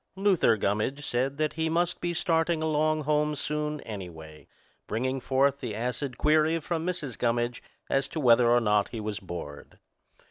Luther Gummidge said that he must be starting along home soon, anyway, bringing forth the acid query from Mrs. Gummidge as to whether or not he was bored.